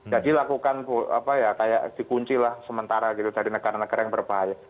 jadi lakukan kayak dikunci lah sementara gitu dari negara negara yang berbahaya